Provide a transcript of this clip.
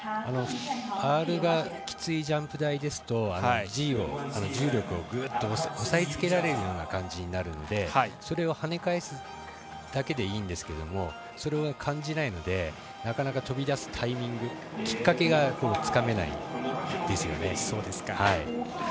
アールがきついジャンプ台ですとＧ、重力を押さえつけられる感じになるのでそれを跳ね返すだけでいいんですけれどもそれは感じないのでなかなか飛び出すタイミングきっかけが、つかめないですよね。